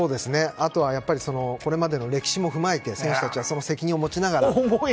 あとはやっぱりこれまでの歴史を踏まえて選手たちはその責任を持ちながら。